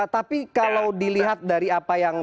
tapi kalau dilihat dari apa yang